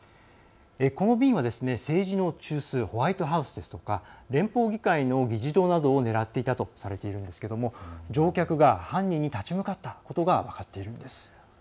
この便は政治の中枢ホワイトハウスですとか連邦議会の議事堂を狙っていたとされているんですが乗客が犯人に立ち向かったことが分かっているんです。